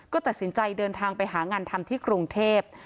ก็ตัดสินใจเดินทางไปหางานทำที่กรุงเทพ